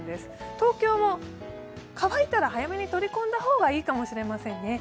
東京も乾いたら早めに取り込んだ方がいいかもしれませんね。